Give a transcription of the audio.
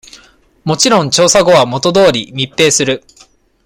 もちろん調査後は、元通り密閉する。